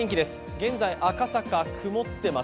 現在、赤坂、曇ってます。